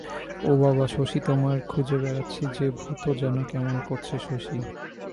ও বাবা শশী তোমায় খুঁজে বেড়াচ্ছি যে ভুতো যেন কেমন করছে শশী।